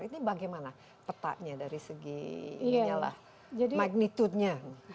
ini bagaimana petanya dari segi magnitudenya